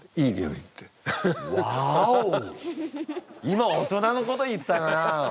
今大人なこと言ったな。